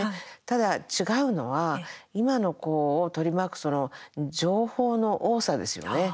ただ、違うのは、今の子を取り巻く情報の多さですよね。